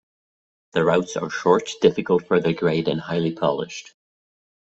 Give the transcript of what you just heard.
The routes are short, difficult for their grade and highly polished.